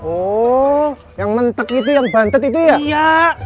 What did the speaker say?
oh yang mentek gitu yang bantet itu iya